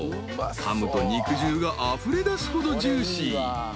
［かむと肉汁があふれ出すほどジューシー］